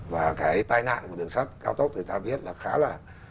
và cái tai nạn của đường sắt cao tốc thì ta biết là khá là